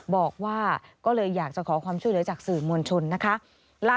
บอกว่าก็เลยอยากจะขอความช่วยเหลือจากสื่อมวลชนนะคะ